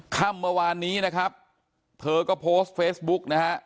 ค่ำเมื่อวานนี้นะครับเธอก็โพสต์เฟซบุ๊กนะฮะ